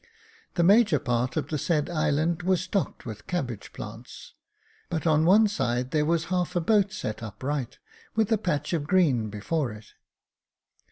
The major part of the said island was stocked with cabbage plants ; but on one side there was half a boat set upright, with a patch of green before it.